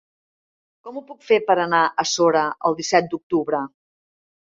Com ho puc fer per anar a Sora el disset d'octubre?